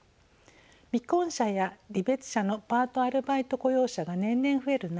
未婚者や離別者のパートアルバイト雇用者が年々増える中